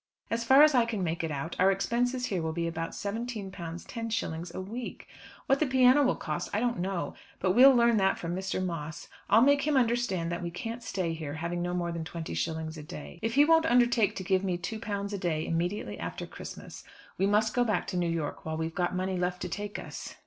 As far as I can make it out, our expenses here will be about £17 10s. a week. What the piano will cost, I don't know; but we'll learn that from Mr. Moss. I'll make him understand that we can't stay here, having no more than twenty shillings a day. If he won't undertake to give me £2 a day immediately after Christmas, we must go back to New York while we've got money left to take us."